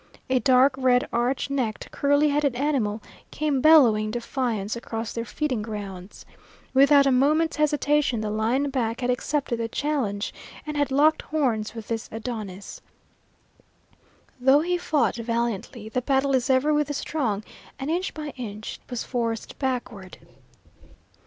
A dark red, arch necked, curly headed animal came bellowing defiance across their feeding grounds. Without a moment's hesitation the line back had accepted the challenge and had locked horns with this Adonis. Though he fought valiantly the battle is ever with the strong, and inch by inch he was forced backward.